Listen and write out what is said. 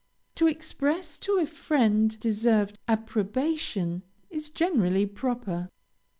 To express to a friend deserved approbation is generally proper.